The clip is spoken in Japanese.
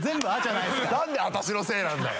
なんで私のせいなんだよ！